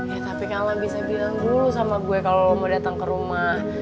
ya tapi kalah bisa bilang dulu sama gue kalau mau datang ke rumah